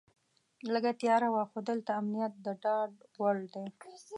لږه تیاره وه خو دلته امنیت د ډاډ وړ دی.